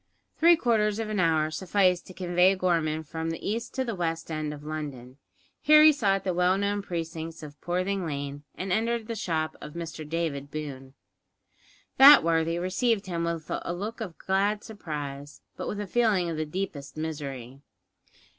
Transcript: Three quarters of an hour sufficed to convey Gorman from the east to the west end of London. Here he sought the well known precincts of Poorthing Lane, and entered the shop of Mr David Boone. That worthy received him with a look of glad surprise; but with a feeling of the deepest misery.